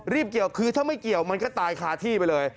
เกี่ยวคือถ้าไม่เกี่ยวมันก็ตายคาที่ไปเลย